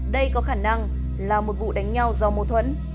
đây có khả năng là một vụ đánh nhau do mâu thuẫn